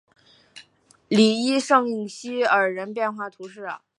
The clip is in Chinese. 里伊圣西尔人口变化图示